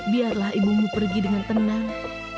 biarlah ibumu pergi dengan tenang